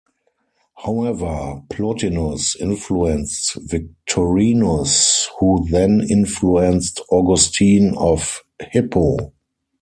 However, Plotinus influenced Victorinus who then influenced Augustine of Hippo.